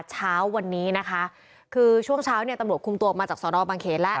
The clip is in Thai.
เช้าวันนี้นะคะคือช่วงเช้าเนี่ยตำรวจคุมตัวออกมาจากสอนอบางเขตแล้ว